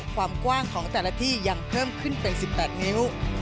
ความกว้างของแต่ละที่ยังเพิ่มขึ้นเป็น๑๘นิ้ว